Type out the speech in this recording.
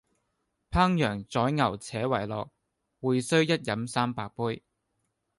烹羊宰牛且為樂，會須一飲三百杯！